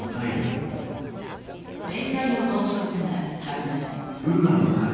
面会の申し込みがあります。